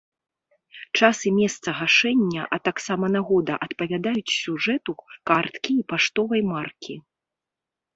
Час і месца гашэння, а таксама нагода адпавядаюць сюжэту карткі і паштовай маркі.